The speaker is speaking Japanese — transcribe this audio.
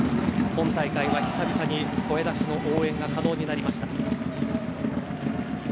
今大会は久々に声出しの応援が可能になりました。